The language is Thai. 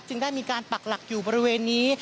ได้มีการปักหลักอยู่บริเวณนี้